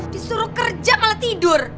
disuruh kerja malah tidur